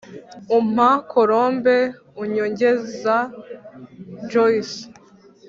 umpa " colombe " unyongeza " joyce "